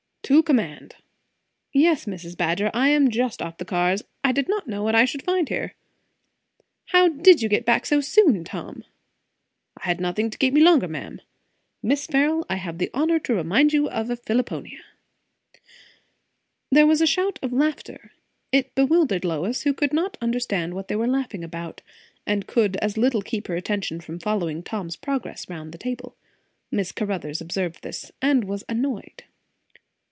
"To command. Yes, Mrs. Badger, I am just off the cars. I did not know what I should find here." "How did you get back so soon, Tom?" "Had nothing to keep me longer, ma'am. Miss Farrel, I have the honour to remind you of a phillipoena." There was a shout of laughter. It bewildered Lois, who could not understand what they were laughing about, and could as little keep her attention from following Tom's progress round the table. Miss Caruthers observed this, and was annoyed.